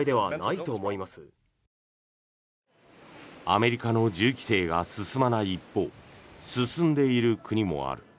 アメリカの銃規制が進まない一方進んでいる国もある。